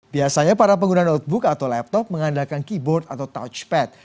biasanya para pengguna notebook atau laptop mengandalkan keyboard atau touchpad